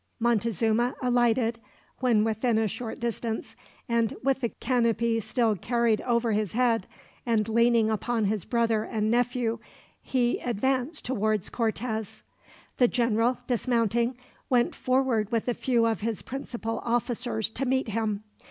Montezuma alighted when within a short distance, and with the canopy still carried over his head, and leaning upon his brother and nephew, he advanced towards Cortez. The general, dismounting, went forward with a few of his principal officers to meet him.